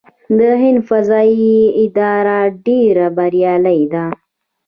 د هند فضايي اداره ډیره بریالۍ ده.